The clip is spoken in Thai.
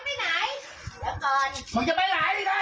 มึงไปห้องแจกมึงไปไหน